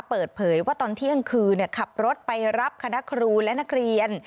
เปิดเผยว่าตอนเที่ยงคืนขับรถไปรับคณะครูและนักเรียน